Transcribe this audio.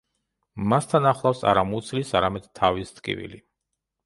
მას თან ახლავს არა მუცლის, არამედ თავის ტკივილი.